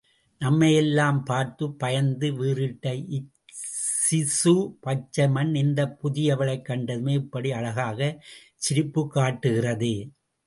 நம்மையெல்லாம் பார்த்துப் பயந்து வீறிட்ட இச்சிசு – பச்சைமண் இந்தப் புதியவளைக் கண்டதுமே இப்படி அழகாகச் சிரிப்புக் காட்டுகிறதே!.....